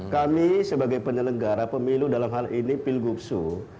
kami sebagai penyelenggara pemilu dalam hal ini pilguksu